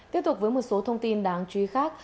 tiếp tục với một số thông tin đáng truy khác